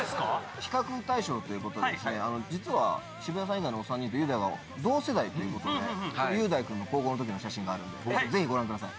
比較対象ということで実は渋谷さん以外の３人と雄大は同世代ということで雄大君の高校の時の写真があるんでぜひご覧ください。